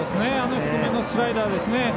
低めのスライダーですね。